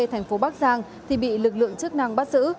thành phố bắc giang thì bị lực lượng chức năng bắt giữ